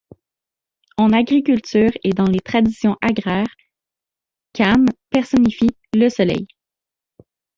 En agriculture et dans les traditions agraires, Kāne personnifie le soleil.